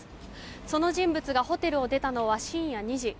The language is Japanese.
その人物がホテルを出たのは深夜２時。